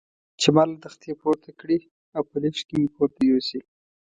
چې ما له تختې پورته کړي او په لفټ کې مې پورته یوسي.